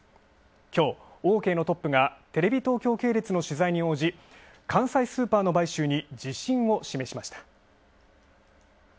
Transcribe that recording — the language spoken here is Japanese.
きょう、テレビ東京系列の取材に応じ、関西スーパーの買収に自信を示しました。